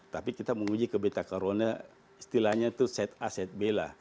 tapi kita menguji ke beta corona istilahnya itu set a set b lah